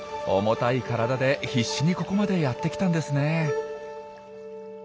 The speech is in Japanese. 重たい体で必死にここまでやってきたんですね。